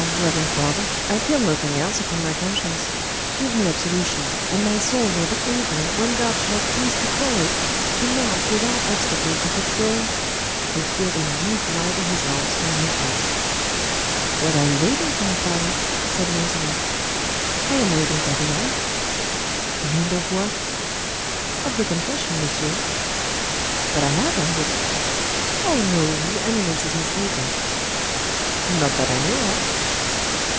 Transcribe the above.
reverend father, I feel nothing else upon my conscience. Give me absolution, and my soul will be able, when God shall please to call it, to mount without obstacle to the throne—" The Theatin moved neither his arms nor his lips. "What are you waiting for, father?" said Mazarin. "I am waiting for the end." "The end of what?" "Of the confession, monsieur." "But I have ended." "Oh, no; your eminence is mistaken." "Not that I know of."